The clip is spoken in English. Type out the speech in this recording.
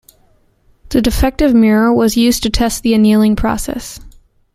The defective mirror was used to test the annealing process.